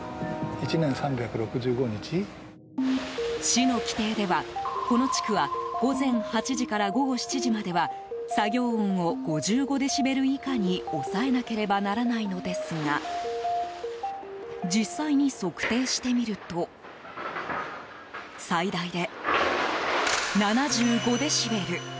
市の規定では、この地区は午前８時から午後７時までは作業音を５５デシベル以下に抑えなければならないのですが実際に測定してみると最大で７５デシベル。